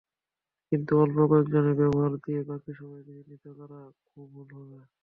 কিন্তু অল্প কয়েকজনের ব্যবহার দিয়ে বাকি সবাইকে চিহ্নিত করা ভুল হবে।